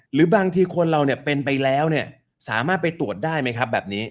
หรือบางทีคนเราเนี่ยเป็นไปแล้วเนี่ยสามารถไปตรวจได้ไหมครับแบบนี้